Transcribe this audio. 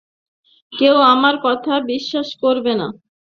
কেউ আমার কথা বিশ্বাস করবে না।